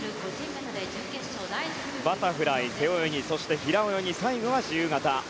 バタフライ、背泳ぎそして平泳ぎ最後は自由形。